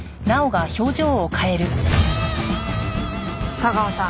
架川さん。